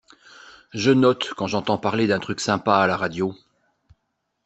Je note quand j’entends parler d’un truc sympa à la radio.